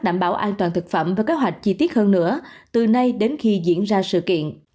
hoàn toàn thực phẩm và kế hoạch chi tiết hơn nữa từ nay đến khi diễn ra sự kiện